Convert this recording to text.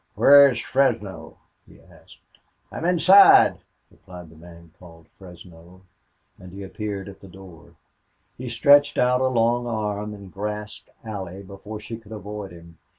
"Whar's Fresno?" he asked. "I'm inside," replied the man called Fresno, and he appeared at the door. He stretched out a long arm and grasped Allie before she could avoid him.